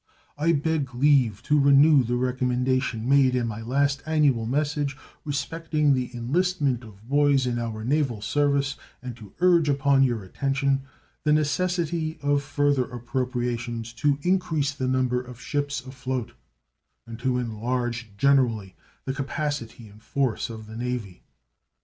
I beg leave to renew the recommendation made in my last annual message respecting the enlistment of boys in our naval service, and to urge upon your attention the necessity of further appropriations to increase the number of ships afloat and to enlarge generally the capacity and force of the Navy.